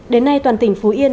đến nay toàn tỉnh phú yên